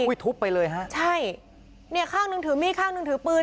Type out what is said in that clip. ทุบไปเลยฮะใช่เนี่ยข้างหนึ่งถือมีดข้างหนึ่งถือปืน